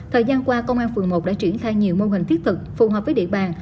thời gian qua công an phường một đã triển khai nhiều mô hình thiết thực phù hợp với địa bàn